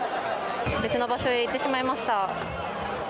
別の場所へ行ってしまいました。